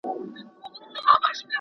که المارۍ وي نو کتابونه نه دوړې کیږي.